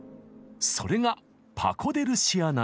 それがパコ・デ・ルシアなのです。